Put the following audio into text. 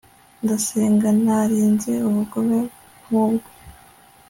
Ndasenga narinze ubugome nkubwo